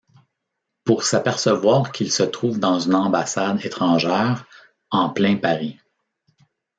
Pour s'apercevoir qu'il se trouve dans une ambassade étrangère, en plein Paris.